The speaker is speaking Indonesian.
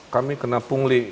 kami kena pungli